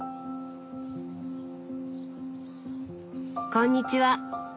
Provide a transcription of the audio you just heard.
こんにちは。